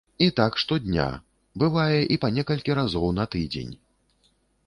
І так штодня, бывае, і па некалькі разоў на дзень.